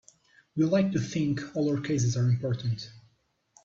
We like to think all our cases are important.